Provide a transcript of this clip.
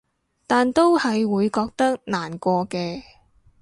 但都係會覺得難過嘅